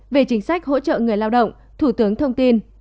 về chính sách hỗ trợ người lao động thủ tướng thông tin